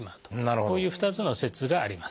こういう２つの説があります。